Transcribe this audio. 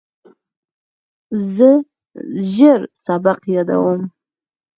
زه ژر سبق یادوم.